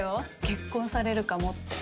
結婚されるかもって。